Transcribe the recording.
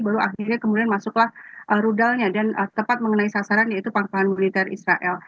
baru akhirnya kemudian masuklah rudalnya dan tepat mengenai sasaran yaitu pangkalan militer israel